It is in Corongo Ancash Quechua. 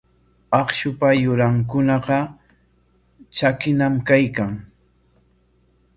Akshupa yurankunaqa tsakiñam kaykan.